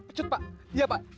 pecut pak iya pak